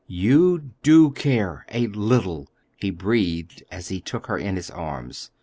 "You do care—a little!" he breathed, as he took her in his arms.